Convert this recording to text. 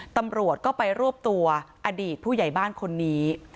ตำรวจก็ไปรวบตัวอดีตผู้ใหญ่บ้านคนนี้